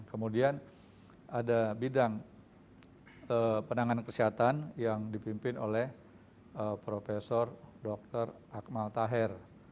kemudian ada bidang penanganan kesehatan yang dipimpin oleh prof dr akmal taher